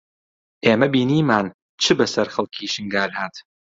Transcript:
ئێمە بینیمان چ بەسەر خەڵکی شنگال هات